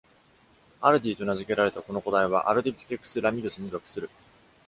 アルディと名付けられたこの個体は、アルディピテクス・ラミドゥスに属する。